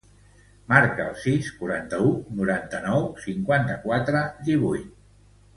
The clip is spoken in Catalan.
Marca el sis, quaranta-u, noranta-nou, cinquanta-quatre, divuit.